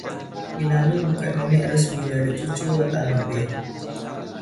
Minami bukan nenek resmi dari cucu Watanabe.